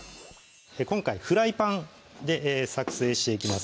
今回フライパンで作成していきます